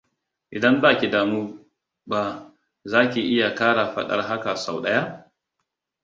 Idan ba ki damu ba za ki iya ƙara faɗar haka sau ɗaya?